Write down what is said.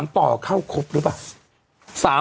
ป่อเข้าครบหรือเปล่า